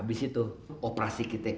abis itu operasi kita